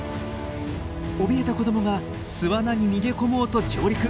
おびえた子どもが巣穴に逃げ込もうと上陸。